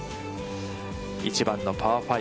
１番のパー５。